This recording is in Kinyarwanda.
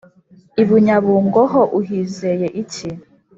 ibunyabungo ho uhizeye iki?"